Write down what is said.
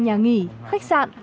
nhà nghỉ khách sạn